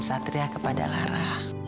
satria kepada lara